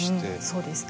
そうですね。